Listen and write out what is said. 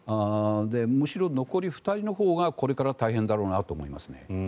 むしろ、残り２人のほうがこれから大変だろうなと思いますね。